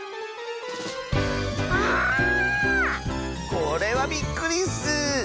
これはびっくりッス！